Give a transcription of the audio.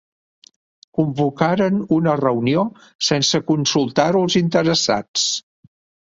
Convocaren una reunió sense consultar-ho als interessats.